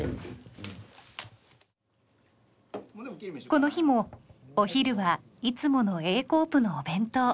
この日もお昼はいつものＡコープのお弁当。